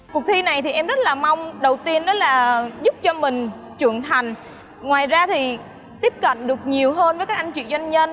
cuộc thi này em rất mong đầu tiên là giúp cho mình trưởng thành ngoài ra thì tiếp cận được nhiều hơn với các anh chị doanh nhân